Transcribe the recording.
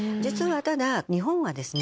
ただ日本はですね